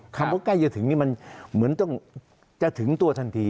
ว่าใกล้จะถึงนี่มันเหมือนต้องจะถึงตัวทันที